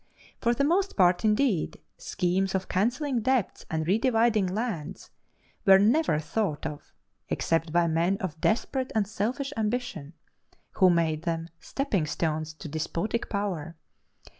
For the most part, indeed, schemes of cancelling debts and redividing lands were never thought of except by men of desperate and selfish ambition, who made them stepping stones to despotic power.